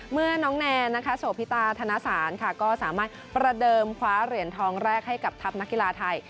เมื่อน้องแนนโสพิตาธนสารก็สามารถประเดิมคว้าเหรียญทองแรกให้กับทัพนักกีฬาไทย